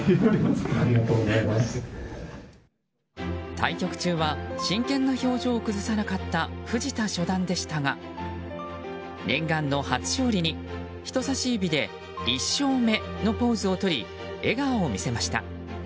対局中は真剣な表情を崩さなかった藤田初段でしたが念願の初勝利に人差し指で１勝目のポーズをとり笑顔を見せました。